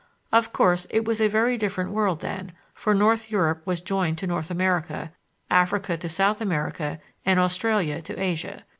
Of course, it was a very different world then, for North Europe was joined to North America, Africa to South America, and Australia to Asia.